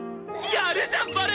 やるじゃんバル！